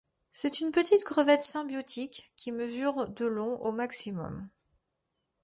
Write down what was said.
C'est une petite crevette symbiotique, qui mesure de long au maximum.